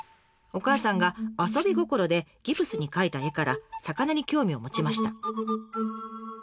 お母さんが遊び心でギプスに描いた絵から魚に興味を持ちました。